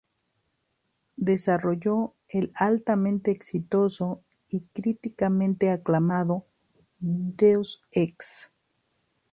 Desarrolló el altamente exitoso y críticamente aclamado "Deus Ex".